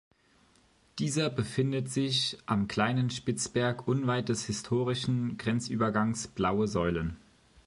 Dieser befindet sich am kleinen Spitzberg unweit des historischen Grenzübergangs Blaue Säulen.